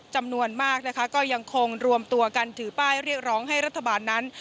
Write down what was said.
จำนวนมากนะคะก็ยังคงรวมตัวกันถือป้ายเรียกร้องให้รัฐบาลนั้น